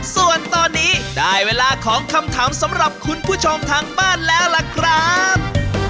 ส่วนตอนนี้ได้เวลาของคำถามสำหรับคุณผู้ชมทางบ้านแล้วล่ะครับ